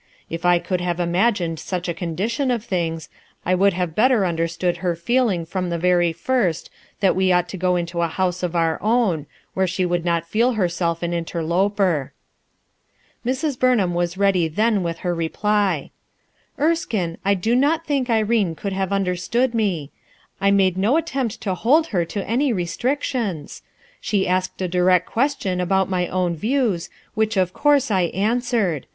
If I could have imagined such a condition of things, I would have better understood her feeling from the very first that w T e ought to go into a house of our own, where she would not feel herself an interloper/' Sirs. Burnham was ready then with her reply, "Erskine, I do not think Irene could have 178 . RUTH ERSKINE'S SON understood rac. I made no attempt to hold her to any restrictions, She asked a dire question about my own views, which, of cour* I answered.